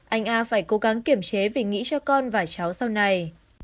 anh a phải cố gắng kiểm chế vì nghĩ cho con và cháu sau này